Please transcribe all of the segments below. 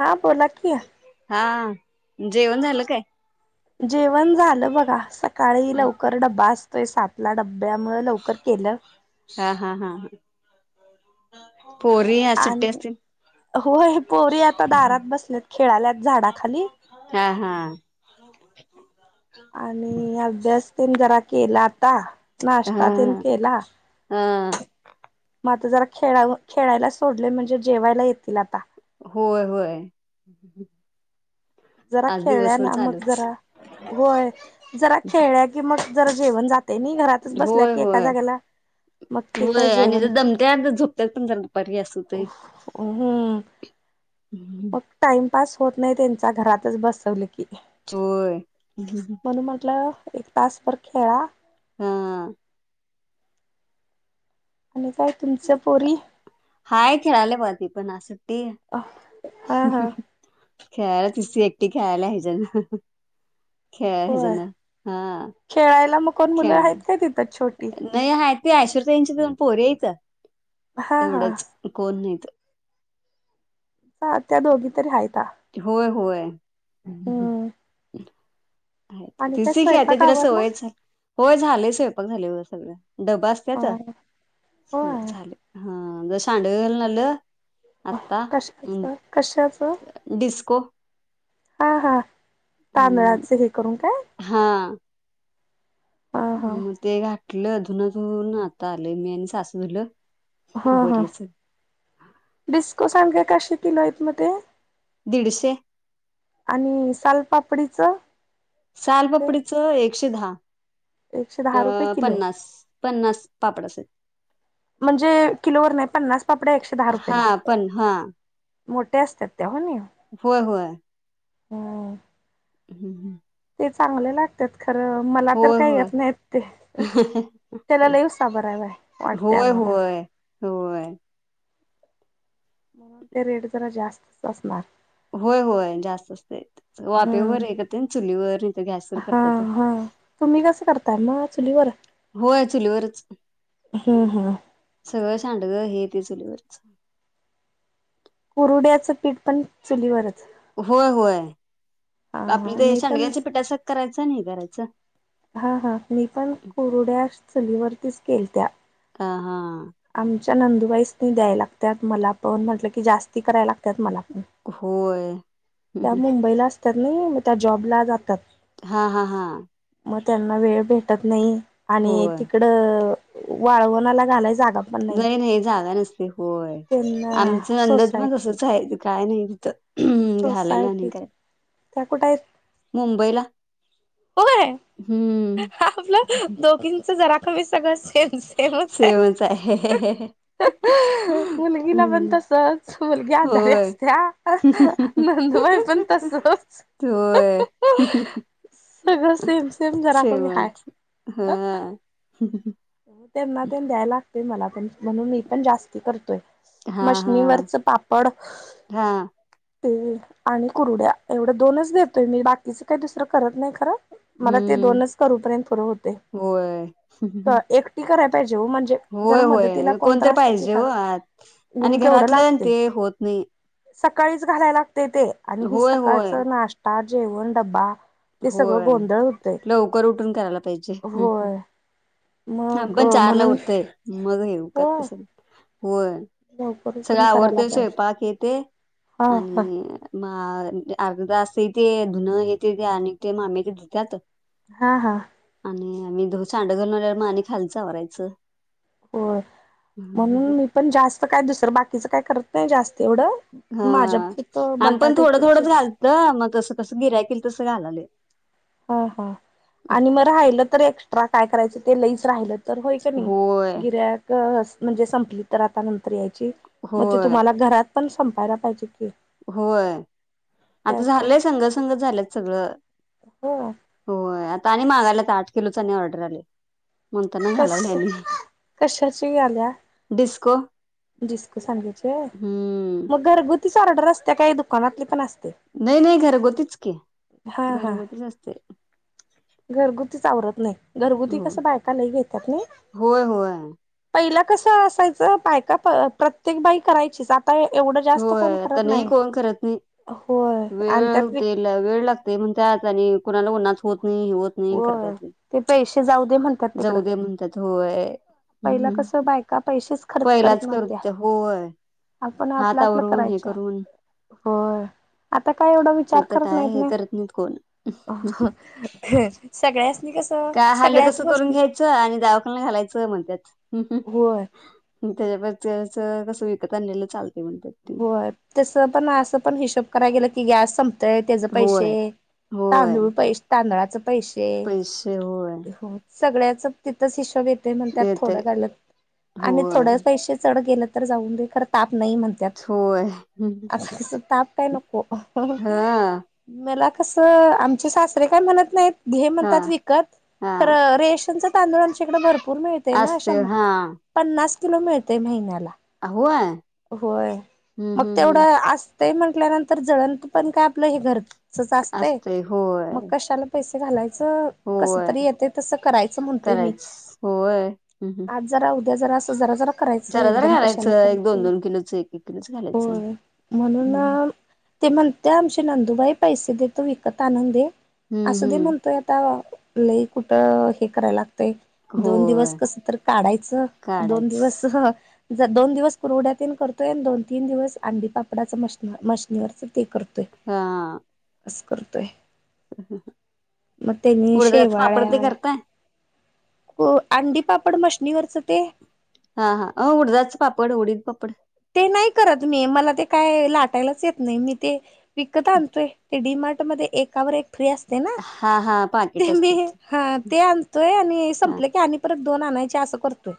हा, बोला की. हा जेवण झालं काय? जेवण झालं बघा, सकाळी लवकर डबा अस तोय सातला डबा ब्यामुळ लवकर केल. हा, हा, हा, हा. आणि होय पोरी आता दारात बसल्यात खेळातल्यात झाडाखाली. हा हा. आणि अभ्यास तेन जरा केलात या नाश्ता हा तेन केला हा म आ त जरा खेळावं खेळायला सोडलं म्हणजे जेवायला येतील आता. होय, होय. जरा आज खेळल्या दिवसभर ना, मग चालूच जरा होय, जरा खेळल्या की मग जरा जेवण जा तयनई घरातच बसल्या होय की एका होय जागेला मग ते काय होय आणि जेवण, दमत्यात झोपत्यात पण जरा दुपारी अस होतंय हम्म मग ताई पास होत नाय त्यांचं घरातच बसवलं की चोय. म्हणून म्हटलं एक तासभर खेळा. हा. आणि काय तुमच्या पोरी? पण असं ते हा हा हमहम खेळाल्या तिच ती एकटी खेळाल्या हिच खेळा होय हेजान हां खेळायला मग कोण मुलं आहेत काय तिथं छोटी? आहे ते आशु ताईंची दोन पोर आहेत. हा एवढंच हा कोण नाहीत हा त्या दोघी तरी आहेत. होय होय. हम्म आहेत. आणि काय तिच ती खेळत्या स्वयंपाक तिला आवरला सवयच हाय, होय. झाले स्वयंपाक झाले हो सगळं. डबा असत्यात होय झाले हं अ सांडग घालून आलो. कशाच? कशाच? डिस्क‌ को हां हां तांदळाच हे करून काय. हां ह ह हम ते घा टलं, धूनं धुवुन आता आलंय मी आणि सासू धुलो. हा हा डिस्को सांडग कसे किलो आहेत मग ते? दीडशे आणि साल पापडीच? सालपापडीचं एकशे दहा. एकशे दहा रुपये अं किलो पन्नास पन्नास पापडाच. म्हणजे किलोवर नाही पन्नास पापड्या एकशे दहा हा रुपयेला पण हां मोठे असतात. त्या नी होय होय. हो [inaudible] ते चांगले लागत्यात. खरं मला तर होय काही होय येत नाही ते त्याला लई [unintelligible] आहे वाटते होय आम्हाला. होय होय. म्हणून ते रेट जरा जास्तच असणार. होय होय जास्त असतेत हम्म वापेवर तेन चुलीवर गॅसवर हा करत्यात, हा तुम्ही कसं करताय मग चुलीवर होय चुलीवरच हम्म हम्म सगळं साडगं हे ते चुलीवरच. कुरुड्याचं पीठ पण चुलीवर होय, होय, हा हा आपलं ते मी पण शांडग्यांचे पीठासा करायच नाइ करायचं हा, हा मी पण कुरुड्या चुलीवर तीच केलत्या. हा, हा. आम च्या नंदुबाई स्नी द्याय लागत्यात मला पण म्हटलं की जास्ती कराय लागत्यात मला पण होय. त्या मुंबईला अस त्यात ना मग त्या जॉबला जातात. हा, हा, हा. म त्यांना वेळ भेटत नाइ. आणि होय तिकडं वाळवणाला घालाय जाग नाइ, नाइ जाणारच की होय त्यांना आमच आनंदाचं पण सोसायटी तसचय ते काय नाइ तिथं. घालायला आणि सोसायटी काय त्या कुठयत? मुंबईला होय हम्म आपलं दोघींच जरा कवी सगळं से सेम, सेमचय सेमच आहे. मुलगीला पण हम्म तसच मुलगी आजारी होय असत्या. नंदुबाई पण तसंच. होय. सगळं सेम, सेम जरा कमी हाय. श्रीमंत हा. त्यांना तेन द्याय लागतय मला म्हणून मी पण जास्ती करतोय. हा हा मशनीवरच पापड हा हम्म ते आणि कुरुड्या एवढ्या, दोनच देतोय मी बाकीच काय दुसरं करत नाइ खरं. मला ते दोनच करूपर्यंत फुर हुतय. होय. त एकटी करा होय, होय कोण तर असली की पाहिजे काय होय आणि ऊन घरातलं ते होत नाई. कळीच घालायला त, ते आणि ह होय सकाळचा नाश्ता जेवन डबा. होय लवकर उठून करायला पाहिजे, हम् हम् होय हा मग पण चार ला म्हणून उठतय. मग येऊ का हो तसं. होय लवकर सगळे उठून करायला आवरतय पाहिजे स्वयंपाक हे ते हा हा आणि मा हा अर्धा तास ते ते धुणं हे ते. ते आणि ते मामी ते धुत्यात. हा हा. आणि आम्ही दो सांडग घालून आल्यावर म आणि खाल्लच आवरायचं. होय म्हणून मी पण जास्त काय दूसर बाकी तिचं काय करत नाही जास्त एवढं. हा माझ्या पुरतं आम्ही पण थोडं बटाट्याचे थोडंच चिप्स घालत, मग जसं जसं गिरायकल तसं घालाले. हा हा आणि मग राहिलं तर एक्स्ट्रा. काय करायचं ते लईच राहिलं. तर होय का नाही होय गिराईक आस म्हणजे संपली तर आता नंतर या ची मग ते होय तुम्हाला घरात पण संपायला पाहिजे. की होय आता झालंय संघ संंगच झालेत सगळं. हो. आता आणि मागायला, आठ किलो ऑर्डर आले. कस कशाची आल्या. डिस्को जिस्कू सांगायचे हम्म मग घरगुतीच ऑर्डर असते त्या काही दुकानातली पण असत नाही नाही घरगुतीच की. हा हा घरगुतीच असते. घरगुतीच आवरत नाही. घरगुती हो. कस बायका लई घेतात ना होय होय पहिला कसं असायचं बायका प प्रत्येक बाई करायचीच आता एवढं जास्त कोण होय आता करत नाही. कोण करत नाही. होय आणि त्यातबी ते म्हणत्यात आणि कुणाला ऊन्हात होत नाही. नाही होत नाही करता होय येत नाही. ते पैसे जाऊ दे म्हणतात तिकडं. जाऊद्या म्हणतात होय. हम्म पहिला हम्म. कस बायका पैसेच खर्च करत पहिलाच नव्हत्या. होय आपण आपलं हात आपलं आवरून हे करायच्या. करून होय आत आता काय हे करत नाहीत कोण सगळ्यासनी कसं का हालं सगळ्याच कस करून गोष्टीत घ्यायचं आणि दवाखान्यात घालायचं म्हणत्यात. हुं होय. हुं त्याच्या पेक्षा तर कस विकत आणलेल होय तस पण आस पण हिशेब कराय गेल की की गॅस संप तर त्याच पैसेे होय होय तांदूळ पैश तांदळाच पैसेे पैसे होय हो सगळ्याच तिथं हिशोब [unintelligible] ते म्हणत्यात थोड येतय घालत आणि होय थोड पैसे चढ गेल तर जाऊन दे खर ताप नाही म्हणत्यात होय आस कस ताप हॅलो हो हा मेलाक कसं आमचे सासरे काय म्हणत नहीत. हे हा म्हणतात विकत हा खरं रेशनच तांदुळ आमच्याकडे भर पूर्ण येतना असते शं हा पन्नास किलो मिळतय महिन्याला होय. होय हम्म मग हम्म तेवढ हम्म आस ते म्हटल्यानंतर जळण पण काय आपल हे घर असंच असतय असते होय मग कशाला पैसे झालय. कस होय तरी येतय तस करायच म्हणतोय मी करायच होय हं हं आज जरा ते जरास जरा जरा करायचं जरा जरा एकदम कशाला घालायचं एक दोन करायचं. दोन किलोच एक एक किलोच घालायचं होय हम्म म्हणूनना ती म्हणत्या आमची नंदुबाई. पैसे देतो विकत आणून दे. असु दे हम्म म्हणतोय आता लई कुठं हे करायला. दोन दिवस होय कसं तर काढायचं दोन काढायच दिवस जर दोन दिवस कुरवड्यात तेन करतोय आणि दोन तीन दिवस अंडीपापडाचं मशनरी मशनरीचं ते कर हां अस करतोय. मग उडद्याच पापड ते करताय? हो अंडी पापड मशनीवरच ते हा हा उडदाच पापड उडीत पापड. ते नाही करत मी मला ते काय लाटायलाच येत नाही मी ते विकत आणतोय ते डी मार्ट मध्ये एकावर एक फ्री असते ना हा हा ते पाकिट मी असते हा ते आणतोय आणि हा संपलं की आणि परत दोन आणायची असं करतोय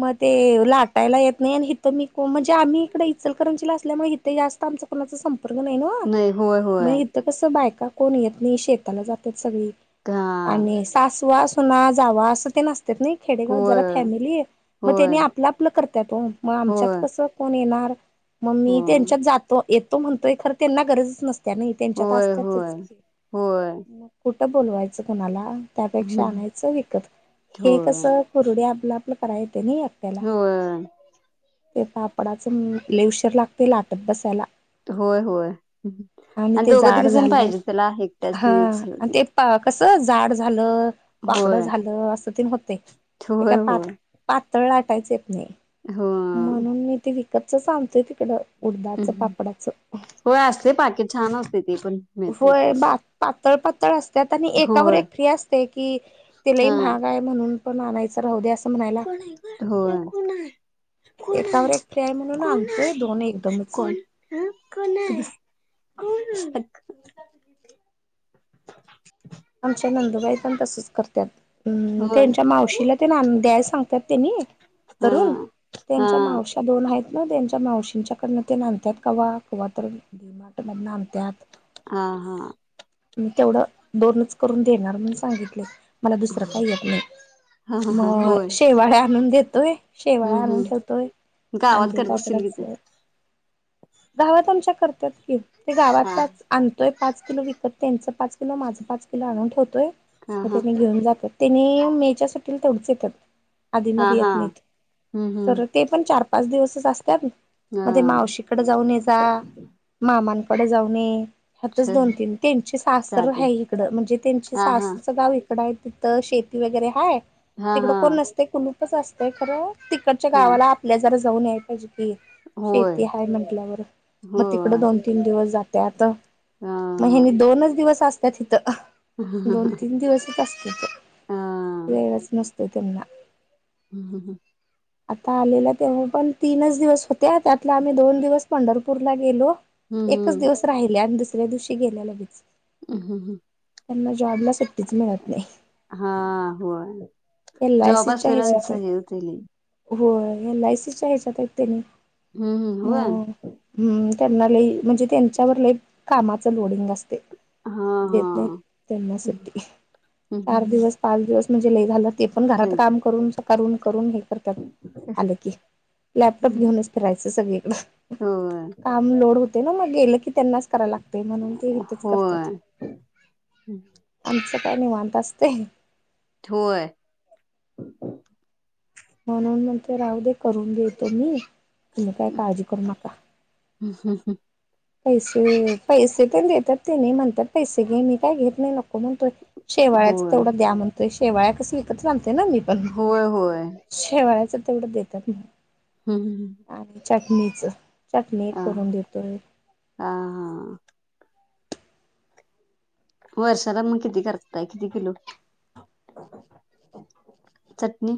मग ते लाटायला येत नाही आणि इथं मी को म्हणजे आम्ही इकडे इचलकरंचीला असल्यामुळे इथे जास्त आमचं कोणाचं संप संपर्क नई न्हव नाही होय होय मग इथ कस बायका का कोण येत नाही शेताला जात्यात सगळी. हा आणि सासवा ना जावा असं तेन असत. तर नई खेडेगावात जरा होय फॅमिली मग होय तेनी आपलं आपलं करत्यात ओ. आमच्यात होय कस कोन मीणार. मग मी त्यांच्यात होय जातो येत तो म्हणतोय खरं त्यांना गरजच नसत्या नाही त्यांच्यात होय असतातच होय होय मग कुठं बोलवायचं कुणाला? त्यापेक्षा हं आणायचं विकत हे कसं होय कुरड्या आपल आप कराय नाही एकट्याला होय ते पापडाच लय यशी लाटत बसायला होय होय आणि ते दोघं तिघ जाड जण झालं पाहिजे त्याला एकट्याच नीच हं होत आणि नाही ते कसं जाड झालं. वाकड होय झालं अस ते होतय ते होय काय पात होय पातळ लाटायचे [unintelligible] हो कंच सांगतय तिकडं उडदाचं म् पापडाचं. होय असतय पाकीट छान असतय ते पण मिळतयच. तळ पात्तळ अस त्यात आणि एकावर एक फ्री असतय की ते लइ हा महागय म्हणून पण आणायचं राहू दे अस होय. कोणय, एकावर कोणय, एक फ्री आहे म्हणून कोण आणतोय दोन एकदमच. हा गबस कोण हा [inaudible] आमच्या नंदुबाई पण तसच करत्यात. हम् होय त्यांच्या मावशीला तेन द्याय सांगतात त्यांनी हा करून हा त्यांच्या मावश्या दोन हाईत. म त्यांच्या मावशींच्याकडनं तेन आणत्यात कवा तर डि-मार्ट मदन आण हा, हा. केवढं दोनच करून देणार म्हणून सांगितलय. मला दुसरं काय येत नाइ हा हा हा म होय शेवाळ्या आणून दे त हम्म शेवाळा आणून हम्म ठेवतोय गावात अंडी करत असतील कि पापडाच ते गावात आमच्या करत्यात की. ते हा गावाताच आण तोय पाच किलो घेत्यात, त्यांच पाच किलो माझं पाच किलो आणून ठे व हा य हा त्यांनी घेऊन जातेत. तेनी मेच्या सुटींला तेवढच येत्यात. हा आधीमधी हा येत नाइत. हम्म हम्म खरं ते पण चार पाच दिवसच असत्यात. हा. हेजा मा हमानकडे जाऊ ये हतच दोन तीन त्यांचे सासर चालतंय हाय इकडं म्हणजे त्यांचे हा हा सासरचं गाव कडाय तिथ शेती वगैरे हाय. हा तिकडं हा कोण नसते कुणी तसं असतंय खरं तिकडच्या हा गावाला आपल्या जरा जाऊन याय पाईजे. होय शेती ह म्हण हो मग तिकड हा दोन तीन दिवस जात त्या आ तर म ह्यांनी दोनच दिवस असत [unintelligible] दोन तीन दिवसच असत हा वेळच नसत. त त्यांना हम् हम हम आता आलेला तेव्हा पण तीनच दिवस होते त्यातला आम्ही दोन दिवस पंढरपूरला गेलो. एकच हम्म दिवस राहिले आणिस दुसऱ्या दिवशी गेल्या लगेच. हम् हम हम त्यांना जॉबला मिळत नाही. हा हो एल जॉब असलेलाच हे होते ल हो एल आय सीच् या ह्याच्यात त्यानी हम्म हम् होन हम्म त्यांना लई म्हणजे त्यांच्यावर लई कामाच लोडिंग असते हा देत हा नाही त्यांनासाठी चार हम्म. दिवस पाच दिवस म्हणजे ल घलत ते पण घरात तेच काम करून शकत करून करून घेत आ की लॅपटॉप घेऊनच फिरायच. अस सगळीकडें होय ते ना मग गेल त्यांनाच करायला लागते म्हणून ते इथेच करतात होय आमचं का निवांत असते. होय म्हणून म्हणते राहू दे करून देते मी. तुम्ही काय काळजी करू नका. हं पैसे, पैसे पण देतात ते नाही म्हणतात पैसे घे मी काय घेत नाही नको म्हणतोय. शेवाळ्याचं होय तेवढं द्या मंग पैश.. तेवाळ्या कसक [unintelligible] [unintelligible] ना मी पण होय होय शेवाळयाचं.. तेवढं देतात ना. हं हं ह चटनीचं चकले एक करून देतोय. हा हा वर्षाला मग किती करताय? किती किलो? चटणी.